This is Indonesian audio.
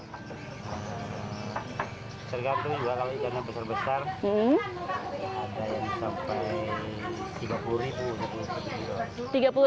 tergantung juga kalau ikannya besar besar ada yang sampai tiga puluh ribu satu kilo